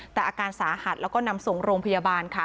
แต่อาการสาหัสแล้วก็นำส่งโรงพยาบาลค่ะ